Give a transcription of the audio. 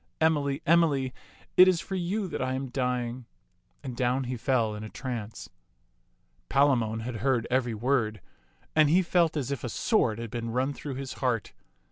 Emily, Emily, it is for you that I am dying "; and down he fell in a trance. Palamon had heard every word, and he felt as if a sword had been run through his heart.